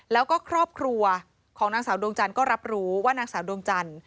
แล้วก็ครอบครัวของนางสาวดวงจันทร์ก็รับรู้ว่านางสาวดวงจันทร์